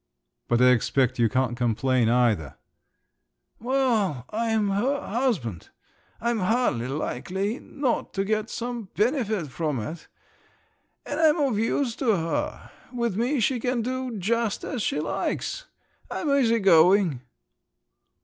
"But I expect you can't complain either?" "Well, I'm her husband. I'm hardly likely not to get some benefit from it! And I'm of use to her. With me she can do just as she likes! I'm easy going!"